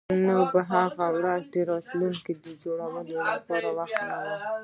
نو په هغه ورځ د راتلونکي جوړولو لپاره وخت نه و